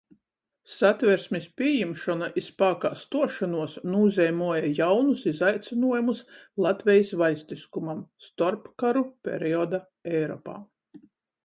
Satversmis pījimšona i spākā stuošonuos nūzeimuoja jaunus izaicynuojumus Latvejis vaļstiskumam. Storpkaru perioda Eiropā